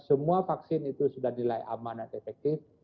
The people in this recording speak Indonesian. semua vaksin itu sudah nilai aman dan efektif